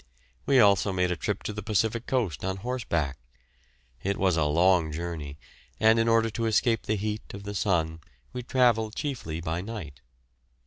We made also a trip to the Pacific coast on horseback; it was a long journey, and in order to escape the heat of the sun we travelled chiefly by night.